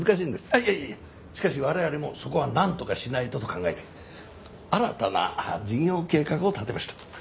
いやいやしかし我々もそこはなんとかしないとと考えて新たな事業計画を立てました。